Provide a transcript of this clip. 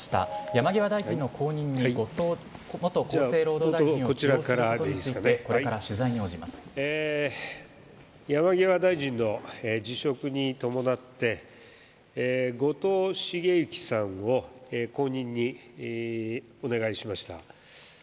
山際大臣の辞職に伴って、後藤茂之さんを後任にお願いしました。